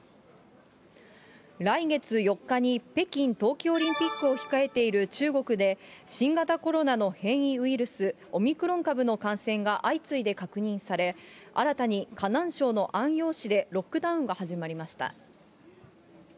来月４日に北京冬季オリンピックを控えている中国で、新型コロナの変異ウイルス、オミクロン株の感染が相次いで確認され、新たに河南省の安陽市でロックダウンが始まりました。